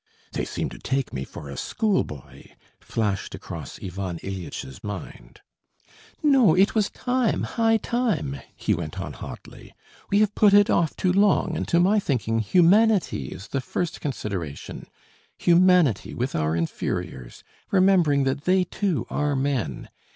"They seem to take me for a schoolboy," flashed across Ivan Ilyitch's mind. "No, it was time, high time," he went on hotly. "We have put it off too long, and to my thinking humanity is the first consideration, humanity with our inferiors, remembering that they, too, are men.